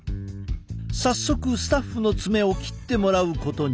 早速スタッフの爪を切ってもらうことに。